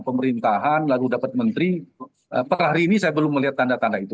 pemerintahan lagu dapat menteri per hari ini saya belum melihat tanda tanda itu